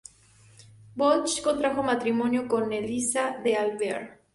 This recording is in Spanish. Bosch contrajo matrimonio con Elisa de Alvear.